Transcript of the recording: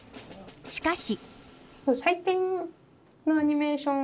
しかし。